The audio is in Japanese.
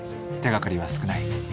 手がかりは少ない。